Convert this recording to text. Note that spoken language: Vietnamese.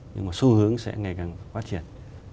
nhưng mà xu hướng sẽ ngày càng phát triển